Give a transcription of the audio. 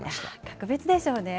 格別でしょうね。